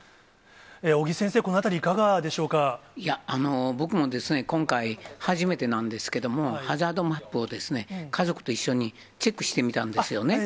尾木先生、このあたりいかがでし僕も今回、初めてなんですけれども、ハザードマップを家族と一緒にチェックしてみたんですよね。